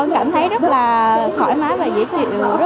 cảm thấy rất là thoải mái và dễ chịu